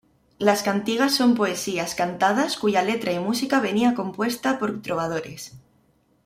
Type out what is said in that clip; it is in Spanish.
Las cantigas son poesías cantadas, cuya letra y música venía compuesta por trovadores.